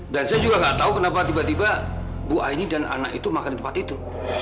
dan saya juga nggak tahu kenapa tiba tiba bu aini dan anak itu makan di tempat itu